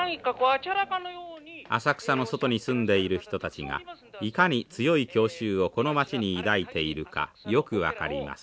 浅草の外に住んでいる人たちがいかに強い郷愁をこの街に抱いているかよく分かります。